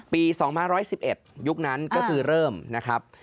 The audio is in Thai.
ปี๒๑๑๑ยุคนั้นก็คือเริ่มนะครับ